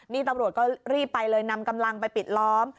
นี่ตำรวจก็รีบไปเลยนำกำลังไปปิดล้อม